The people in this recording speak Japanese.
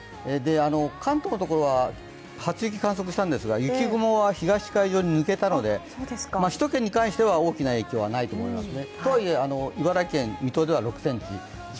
関東のところは初雪観測したんですが雪雲は東海上に抜けたので首都圏に関しては大きな影響はないと思いますね。